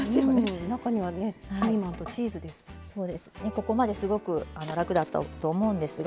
ここまですごく楽だったと思うんですが。